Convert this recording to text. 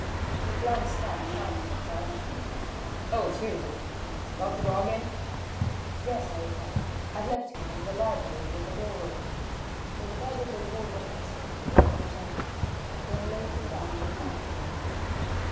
He glanced up sharply as I entered. "Oh, it's you, is it? Got the dog in?" "Yes," I replied, "I've left him in the library with the door open." He regarded the revolver pensively for a few moments, then laid it down in front of him.